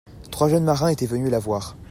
trois jeunes marins étaient venus la voir.